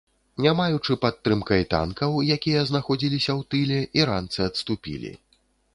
Не маючы падтрымкай танкаў, якія знаходзіліся ў тыле, іранцы адступілі.